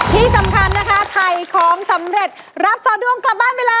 ที่สำคัญนะคะถ่ายของสำเร็จรับซอด้วงกลับบ้านไปแล้ว